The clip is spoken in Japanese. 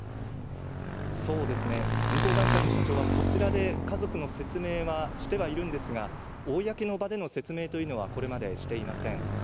運航会社の社長はこちらで家族に説明はしてはいるんですが公の場での説明というのはこれまでしていません。